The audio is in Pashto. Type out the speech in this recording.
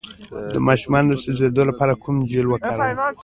د ماشوم د سوځیدو لپاره کوم جیل وکاروم؟